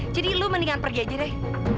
jadi lo mendingan pergi aja deh